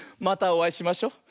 またおあいしましょ。